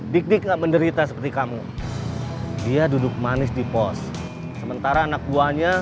dik dik gak menderita seperti kamu dia duduk manis di pos sementara anak buahnya